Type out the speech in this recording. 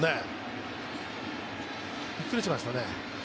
びっくりしましたね。